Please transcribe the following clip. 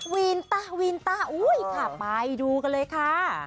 วีนต้าวีนต้าอุ้ยค่ะไปดูกันเลยค่ะ